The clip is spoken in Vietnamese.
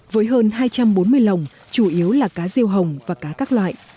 với hơn hai trăm bốn mươi lồng chủ yếu là cá riêu hồng và cá các loại